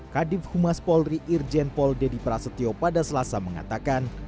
kadif humas polri irjen pol dedy prasetyo pada selasa mengatakan